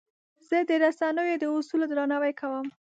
زه د رسنیو د اصولو درناوی کوم.